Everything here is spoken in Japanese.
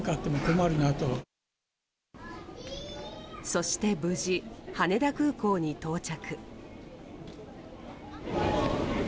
そして無事、羽田空港に到着。